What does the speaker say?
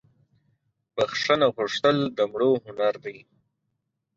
بخښنه غوښتل دمړو هنردي